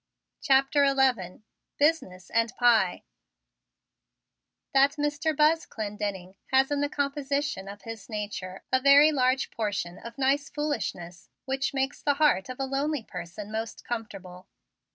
CHAPTER XI BUSINESS AND PIE That Mr. Buzz Clendenning has in the composition of his nature a very large portion of nice foolishness which makes the heart of a lonely person most comfortable.